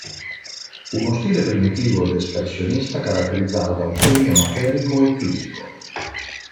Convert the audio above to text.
Uno stile primitivo ed espressionista caratterizzato da un segno materico e fisico.